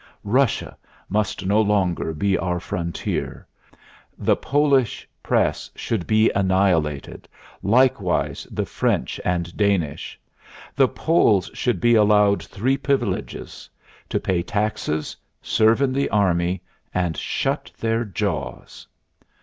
"Russia must no longer be our frontier. The Polish press should be annihilated ... likewise the French and Danish.... The Poles should be allowed ... three privileges: to pay taxes, serve in the army, and shut their jaws.